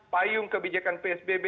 payung kebijakan psbb